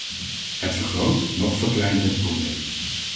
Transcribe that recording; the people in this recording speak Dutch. Het vergroot noch verkleint het probleem.